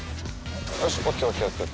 よしＯＫＯＫ。